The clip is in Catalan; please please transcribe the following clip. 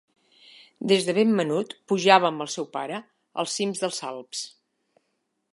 Des de ben menut, pujava amb el seu pare els cims dels Alps.